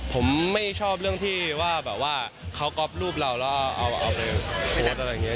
ผมไม่ชอบเรื่องที่ว่าแบบว่าเขาก๊อฟรูปเราแล้วเอาไปนัดอะไรอย่างนี้